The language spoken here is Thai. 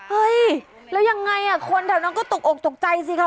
เฮ้ยแล้วยังไงคนแถวนั้นก็ตกอกตกใจสิคะ